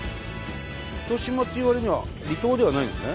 糸島っていうわりには離島ではないんですね。